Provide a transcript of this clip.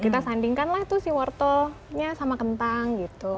kita sandingkan lah tuh si wortelnya sama kentang gitu